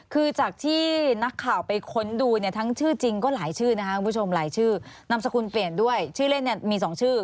แต่คุณเปลี่ยนด้วยชื่อเล่นเนี่ยมีสองชื่อ